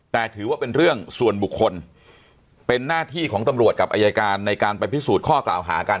แต่ถือว่าเป็นเรื่องส่วนบุคคลเป็นหน้าที่ของตำรวจกับอายการในการไปพิสูจน์ข้อกล่าวหากัน